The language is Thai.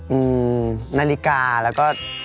นาฬิกาแล้วก็